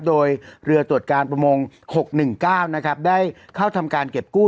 โดยเรือตรวจการประมง๖๑๙นะครับได้เข้าทำการเก็บกู้